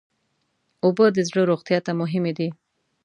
اوبه د زړه روغتیا ته مهمې دي.